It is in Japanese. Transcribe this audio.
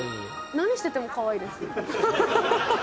何しててもかわいいです。